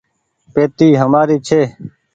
پيتي همآري ڇي۔